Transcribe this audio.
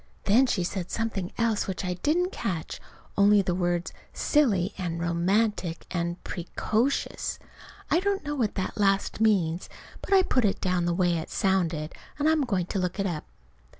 Then she said something else which I didn't catch, only the words "silly" and "romantic," and "pre co shus." (I don't know what that last means, but I put it down the way it sounded, and I'm going to look it up.)